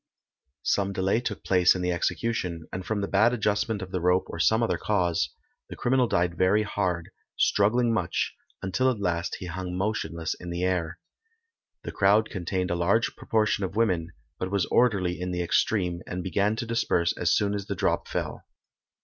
Some delay took place in the execution; and from the bad adjustment of the rope or some other cause, the criminal died very hard, struggling much, until at last he hung motionless in the air. The crowd contained a large proportion of women, but was orderly in the extreme, and began to disperse as soon as the drop fell.